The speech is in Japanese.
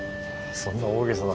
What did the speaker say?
そんな大げさな。